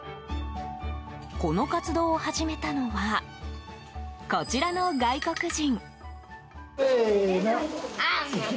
この活動を始めたのはこちらの外国人。